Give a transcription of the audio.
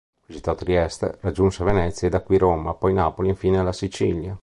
Visitò Trieste, raggiunse Venezia e da qui Roma, poi Napoli e infine la Sicilia.